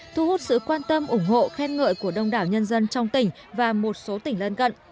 thu hút sự quan tâm ủng hộ khen ngợi của đông đảo nhân dân trong tỉnh và một số tỉnh lân cận